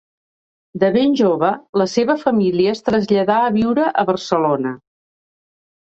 De ben jove, la seva família es traslladà a viure a Barcelona.